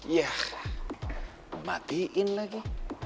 yah mematikan lagi